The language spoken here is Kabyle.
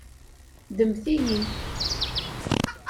Ddmet-iyi.